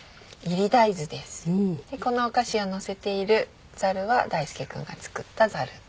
でこのお菓子をのせているざるは大介君が作ったざる。